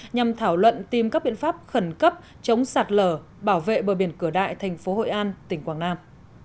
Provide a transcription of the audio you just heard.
nhằm thảo luận tìm các biện pháp khẩn cấp chống sạt lở bảo vệ bờ biển cửa đại thành phố hội an tỉnh quảng nam